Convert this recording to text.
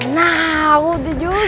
nah udah juga